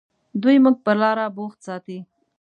دوی موږ پر لاره بوخت ساتي.